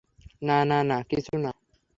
না না না, কিছু না।